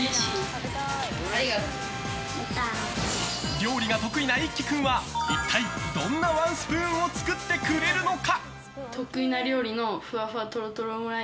料理が得意な一輝君は一体どんなワンスプーンを作ってくれるのか。